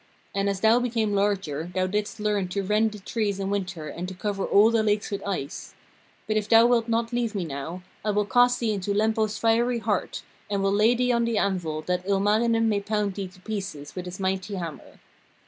And as thou became larger, thou didst learn to rend the trees in winter and to cover all the lakes with ice. But if thou wilt not leave me now, I will cast thee into Lempo's fiery hearth, and will lay thee on the anvil, that Ilmarinen may pound thee to pieces with his mighty hammer.'